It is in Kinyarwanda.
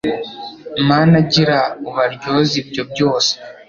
Mana gira ubaryoze ibyo byose